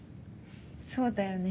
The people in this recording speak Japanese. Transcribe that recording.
そうだよね。